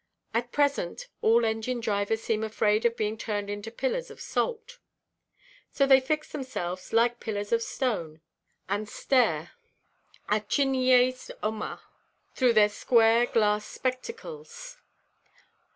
At present, all engine–drivers seem afraid of being turned into pillars of salt. So they fix themselves, like pillars of stone, and stare, ἀχηνίαις ὀμμάτων, through their square glass spectacles.